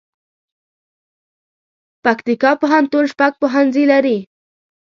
پکتيکا پوهنتون شپږ پوهنځي لري